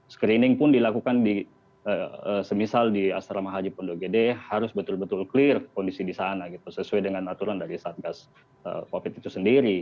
screening pun dilakukan di semisal di asrama haji pondok gede harus betul betul clear kondisi di sana sesuai dengan aturan dari satgas covid itu sendiri